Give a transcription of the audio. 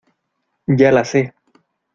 ya la sé.